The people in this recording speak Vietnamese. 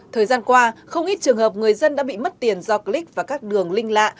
thời gian qua không ít trường hợp người dân đã bị mất tiền do click vào các đường link lạ